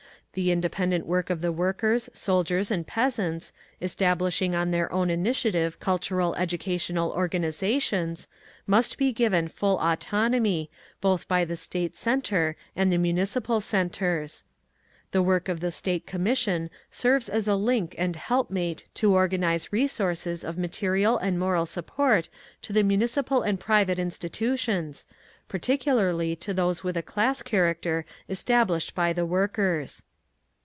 The independent work of the workers, soldiers and peasants, establishing on their own initiative cultural educational organisations, must be given full autonomy, both by the State centre and the Municipal centres. The work of the State Commission serves as a link and helpmate to organise resources of material and moral support to the Municipal and private institutions, particularly to those with a class character established by the workers.